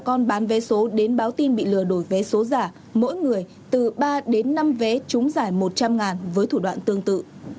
còn bán vé số đến báo tin bị lừa đổi vé số giả mỗi người từ ba đến năm vé chúng giải một trăm linh với thủ đoạn tương tự